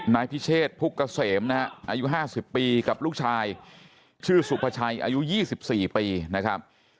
นายพิเชษพุกเกษมนะฮะอายุ๕๐ปีกับลูกชายชื่อสุภาชัยอายุ๒๔ปีนะครับ